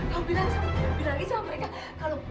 kau bilang ke mereka